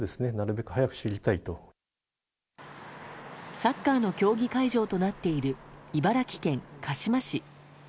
サッカーの競技会場となっている茨城県鹿嶋市。